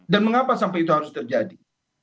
mengapa sampai itu harus terjadi